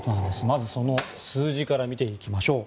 まずはその数字から見ていきましょう。